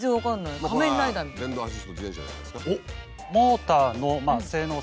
これは電動アシスト自転車じゃないですか。